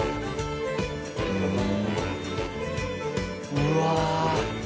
うわ！